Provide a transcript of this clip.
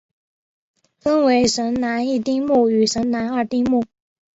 分为神南一丁目与神南二丁目。